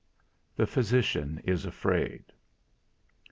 _The physician is afraid.